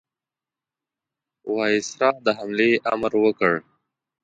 وایسرا د حملې امر ورکړ.